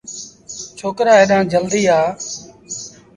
ڇوڪرآ هيڏآن جلديٚ آ۔